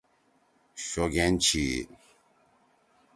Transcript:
شوگین چھی۔